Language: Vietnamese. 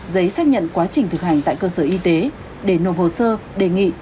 giấy xác nhận quá trình thực hành tại cơ sở y tế để nộp hồ sơ đề nghị